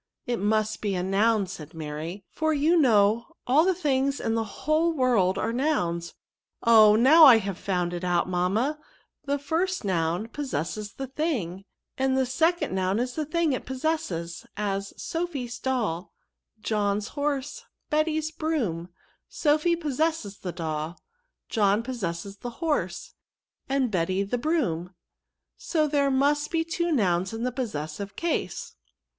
' It must be a noim," said Mary, " for you know all the things in the whole world are nouns. Oh ! now I have found it out, mamma : the first noun possesses the thing, and the second noun is the thing it possesses ; as, Sophy's doU, John's horse, Betty's broom. NOUNS* 143 Sophy possesses the doll, John possesses the horse, and Betty the hroom ; so there mmt be two nouns in the possessive case."